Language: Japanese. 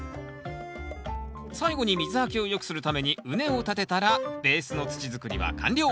最後に水はけをよくするために畝を立てたらベースの土づくりは完了！